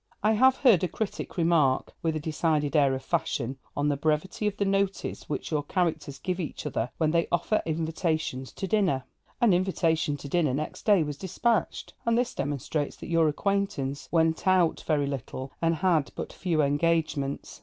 I have heard a critic remark, with a decided air of fashion, on the brevity of the notice which your characters give each other when they offer invitations to dinner. 'An invitation to dinner next day was despatched,' and this demonstrates that your acquaintance 'went out' very little, and had but few engagements.